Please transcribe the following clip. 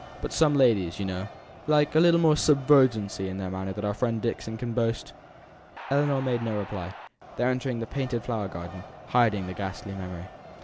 But some ladies, you know, like a little more subserviency in manner than our friend Dixon can boast." Ellinor made no reply. They were entering the painted flower garden, hiding the ghastly memory.